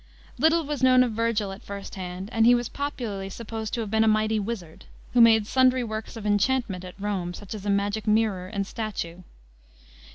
Little was known of Vergil at first hand, and he was popularly supposed to have been a mighty wizard, who made sundry works of enchantment at Rome, such as a magic mirror and statue.